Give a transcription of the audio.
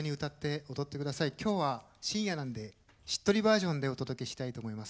今日は深夜なんでしっとりバージョンでお届けしたいと思います。